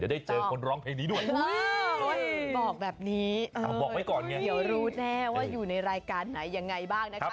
ได้เจอคนร้องเพลงนี้ด้วยบอกแบบนี้บอกไว้ก่อนไงเดี๋ยวรู้แน่ว่าอยู่ในรายการไหนยังไงบ้างนะคะ